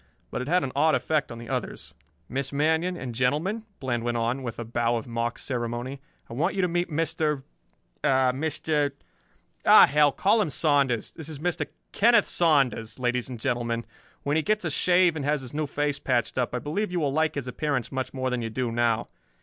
But it had an odd effect on the others. "Miss Manion, and gentlemen," Bland went on, with a bow of mock ceremony, "I want you to meet Mister er, Mister oh hell, call him Saunders. This is Mr. Kenneth Saunders, ladies and gentlemen. When he gets a shave and has his new face patched up I believe you will like his appearance much more than you do now.